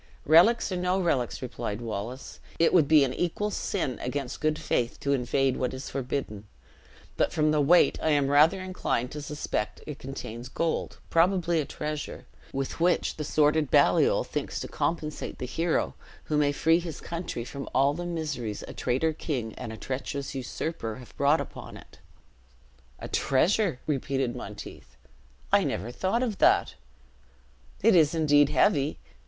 "Relics or no relics," replied Wallace, "it would be an equal sin against good faith to invade what is forbidden: but from the weight I am rather inclined to suspect it contains gold; probably a treasure, with which the sordid Baliol thinks to compensate the hero who may free his country from all the miseries a traitor king and a treacherous usurper have brought upon it." "A treasure!" repeated Monteith; "I never thought of that; it is indeed heavy!